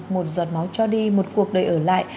một giọt máu cho đi một cuộc đời ở lại